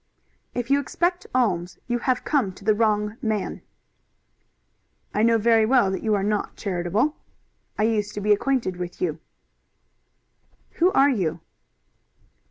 "If you expect alms, you have come to the wrong man." "I know very well that you are not charitable. I used to be acquainted with you." "Who are you?"